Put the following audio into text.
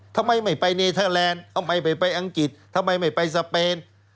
ทำไมไม่ไปเนเทอร์แลนด์ทำไมไม่ไปอังกฤษทำไมไม่ไปสเปน